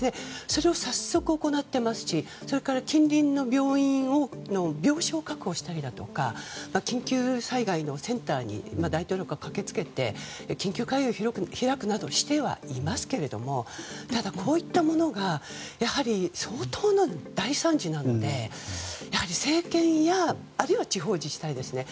それを早速行っていますしそれから近隣の病院の病床を確保したりだとか緊急災害のセンターに大統領が駆けつけて緊急会議を開くなどをしてはいますがただ、やはり相当の大惨事なので政権やあるいは地方自治体ですね。